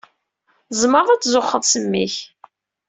Tzemreḍ ad tzuxxeḍ s mmi-k.